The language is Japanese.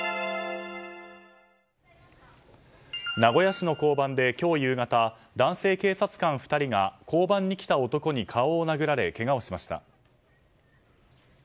名古屋市の交番で今日夕方男性警察官２人が交番に来た男に顔を殴られけがをしました。